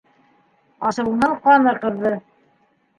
Асыуынан ҡаны ҡыҙҙы.